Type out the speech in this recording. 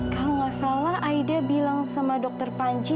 kalau gak salah aida bilang sama dokter panji